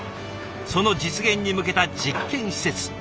その実現に向けた実験施設。